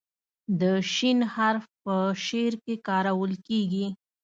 د "ش" حرف په شعر کې کارول کیږي.